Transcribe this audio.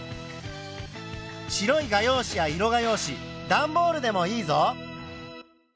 白い画用紙や色画用紙だんボールでもいいぞ。